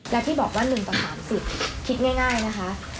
และที่บอกว่า๑ต่อ๓๐คิดง่ายนะคะ